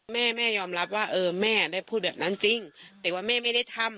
แม่แม่ยอมรับว่าเออแม่ได้พูดแบบนั้นจริงแต่ว่าแม่ไม่ได้ทำ